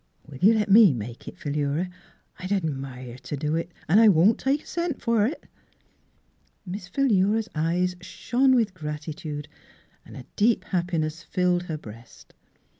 Will you let me make it, Philura? I'd admire t' do it. An' I won' take a cent fer it." Miss Philura's eyes shone with grati tude; a deep happiness filled her breast.